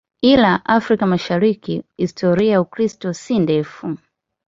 Ila Afrika Mashariki historia ya Ukristo si ndefu.